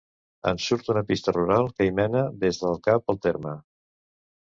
En surt una pista rural que hi mena, des del Cap del Terme.